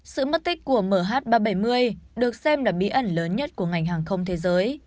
sự mất tích của mh ba trăm bảy mươi được xem là bí ẩn lớn nhất của ngành hàng không thế giới